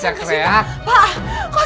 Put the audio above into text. sekarang kamu makan ya